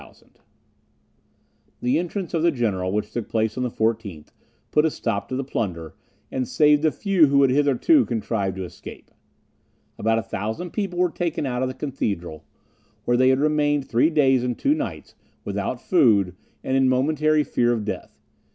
The entrance of the general, which took place on the 14th, put a stop to the plunder, and saved the few who had hitherto contrived to escape. About a thousand people were taken out of the cathedral, where they had remained three days and two nights, without food, and in momentary fear of death.